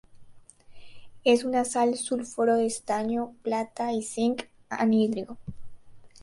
Es una sal sulfuro de estaño, plata y cinc, anhidro.